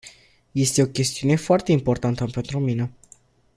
Este o chestiune foarte importantă pentru mine.